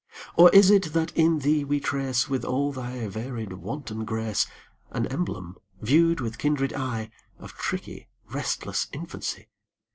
Or is it that in thee we trace, With all thy varied wanton grace, An emblem, viewed with kindred eye Of tricky, restless infancy?